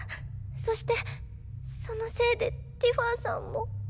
そしてそのせいでティファンさんも。